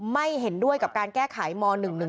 ไม่เห็นด้วยกับการแก้ไขม๑๑๒